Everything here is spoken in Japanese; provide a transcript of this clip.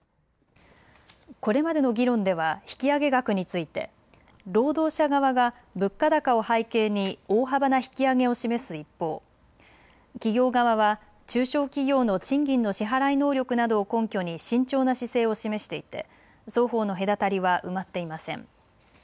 これまでの議論では引き上げ額について労働者側が物価高を背景に大幅な引き上げを示す一方、企業側は中小企業の賃金の支払い能力などを根拠に慎重な姿勢を示していて双方の隔たりは埋まっていません。